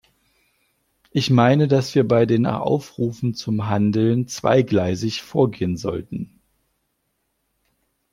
Ich meine, dass wir bei den Aufrufen zum Handeln zweigleisig vorgehen sollten.